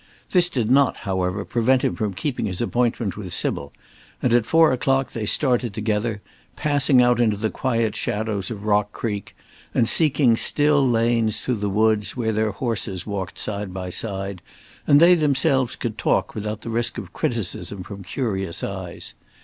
This did not, however, prevent him from keeping his appointment with Sybil, and at four o'clock they started together, passing out into the quiet shadows of Rock Creek, and seeking still lanes through the woods where their horses walked side by side, and they themselves could talk without the risk of criticism from curious eyes.